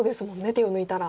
手を抜いたら。